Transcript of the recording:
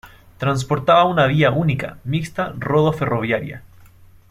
Transportaba una vía única mixta rodo-ferroviaria.